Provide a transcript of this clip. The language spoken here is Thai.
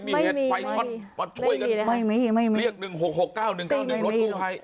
มีเหตุไฟช็อตมาช่วยกันเรียก๑๖๖๙๑๙๑รถกู้ภัย